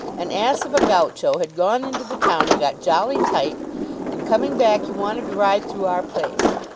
An ass of a Gaucho had gone into the town and got jolly tight, and coming back, he wanted to ride through our place.